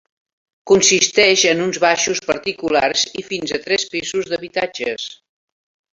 Consisteix en uns baixos particulars i fins a tres pisos d'habitatges.